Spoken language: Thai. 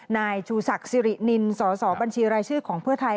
นายชูศักดิ์สิรินินสสบัญชีรายชื่อของเพื่อไทย